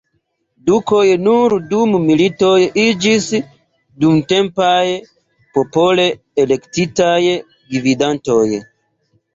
Dukoj nur dum militoj iĝis dumtempaj, popole elektitaj gvidantoj.